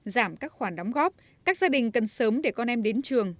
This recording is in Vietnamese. giảm các khoản đóng góp các gia đình cần sớm để con em đến trường